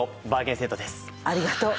ありがとう。